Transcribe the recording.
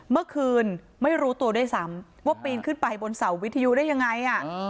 เมื่อคืนไม่รู้ตัวด้วยซ้ำว่าปีนขึ้นไปบนเสาวิทยุได้ยังไง